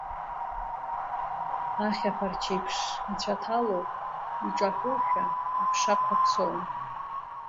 Ахьаԥарч еиԥш ицәаҭалоуп, иҿаҳәоушәа аԥша қәацом.